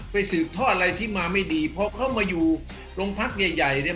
สืบทอดอะไรที่มาไม่ดีพอเข้ามาอยู่โรงพักใหญ่ใหญ่เนี่ย